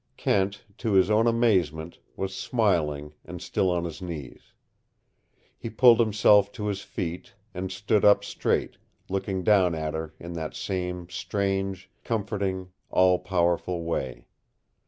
Kent, to his own amazement, was smiling and still on his knees. He pulled himself to his feet, and stood up straight, looking down at her in that same strange, comforting, all powerful way.